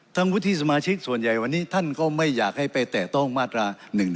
วุฒิสมาชิกส่วนใหญ่วันนี้ท่านก็ไม่อยากให้ไปแตะต้องมาตรา๑๑๒